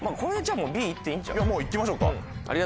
もういきましょうか。